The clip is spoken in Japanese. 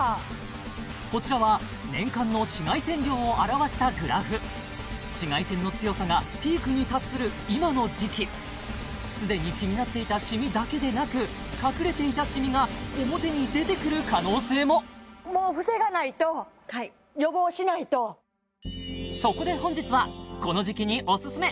こちらは年間の紫外線量を表したグラフ紫外線の強さがピークに達する今の時期すでに気になっていたシミだけでなく隠れていたシミが表に出てくる可能性もそこで本日はこの時期にオススメ